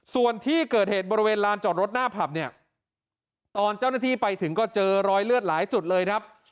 ส่วนที่เกิดเหตุบริเวณลานจอดรถหน้าผับเนี่ยตอนเจ้าหน้าที่ไปถึงก็เจอรอยเลือดหลายจุดเลยครับ